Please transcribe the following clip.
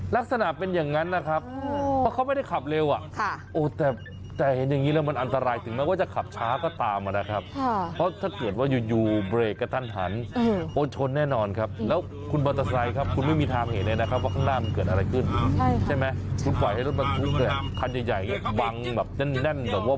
ลักษณะเป็นอย่างนั้นเขาก็ไม่ได้ขับเร็ว